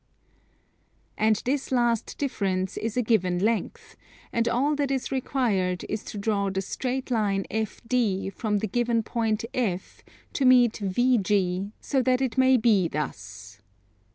And this last difference is a given length: and all that is required is to draw the straight line FD from the given point F to meet VG so that it may be thus.